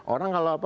orang kalau apa